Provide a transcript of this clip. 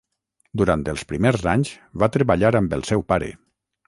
Durant els primers anys va treballar amb el seu pare.